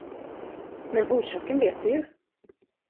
Men orsaken vet du ju.